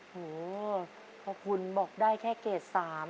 โหเพราะคุณบอกได้แค่เกรด๓